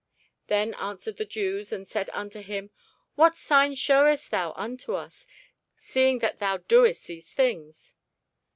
Then answered the Jews and said unto him, What sign shewest thou unto us, seeing that thou doest these things?